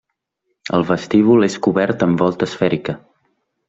El vestíbul és cobert amb volta esfèrica.